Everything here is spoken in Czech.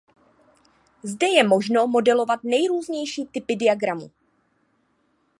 Zde je možno modelovat nejrůznější typy diagramu.